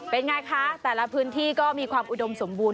เป็นไงคะแต่ละพื้นที่ก็มีความอุดมสมบูรณ